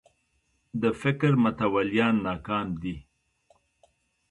د فکر متولیان ناکام دي